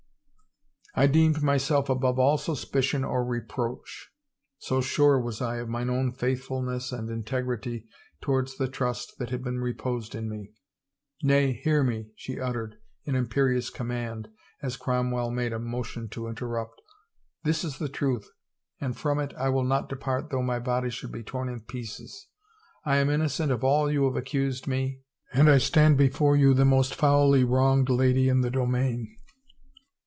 I deemed myself above all suspicion or reproach, so sure was I of 358 THE TRIAL mine own faithfulness and integrity towards the trust that had been reposed in me. Nay, hear me," she ut tered, in imperious command as Cromwell made a mo tion to interrupt, " this is the truth and from it I will not depart though my body should be torn in pieces — I am innocent of all you have accused me and I stand before you the most foully wronged lady in the domain.